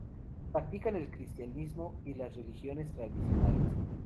Practican el cristianismo y las religiones tradicionales.